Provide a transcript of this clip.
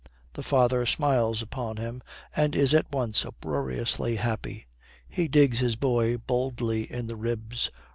The father smiles upon him and is at once uproariously happy. He digs his boy boldly in the ribs.